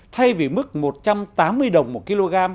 thay vì mức một trăm tám mươi đồng một kg